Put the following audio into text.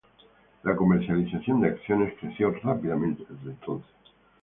La comercialización de acciones creció rápidamente desde entonces.